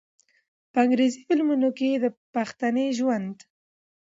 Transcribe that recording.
په انګرېزي فلمونو کښې د پښتني ژوند